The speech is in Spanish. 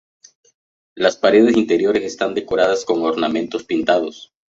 Las paredes interiores están decoradas con ornamentos pintados.